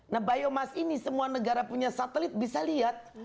demi biomass ini semua negara punya satelit bisa lihat